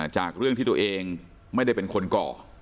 จากเรื่องที่ตัวเองไม่ได้เป็นคนก่อ